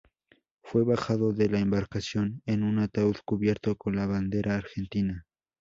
Fue bajado de la embarcación en un ataúd cubierto con la bandera argentina.